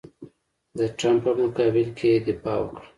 د ټرمپ په مقابل کې یې دفاع وکړه.